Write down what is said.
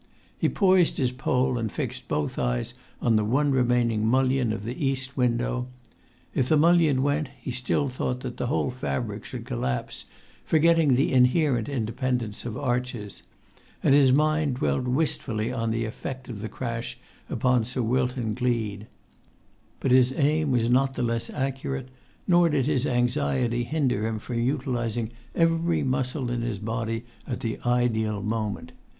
He poised his pole and fixed both eyes on the one remaining mullion of the east window. If the mullion went, he still thought that the whole fabric should collapse, forgetting the inherent[Pg 122] independence of arches; and his mind dwelt wistfully on the effect of the crash upon Sir Wilton Gleed. But his aim was not the less accurate, nor did his anxiety hinder him from utilising every muscle in his body at the ideal moment.